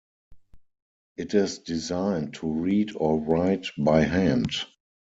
It is designed to read or write by hand.